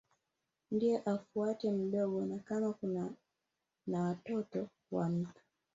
Ndipo afuate mdogo na kama kuna na watoto wa mtu